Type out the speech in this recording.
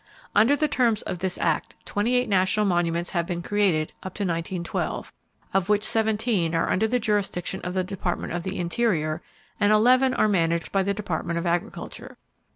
Under the terms of this act, 28 national monuments have been created, up to 1912, of which 17 are under the jurisdiction of the Department of the Interior, and 11 are managed by the Department of Agriculture.